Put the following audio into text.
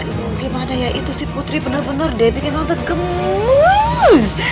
aduh gimana ya itu sih putri bener bener deh bikin tante gemus